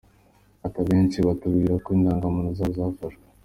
Ati “Abenshi batubwira ko indangamuntu zabo zafashwe.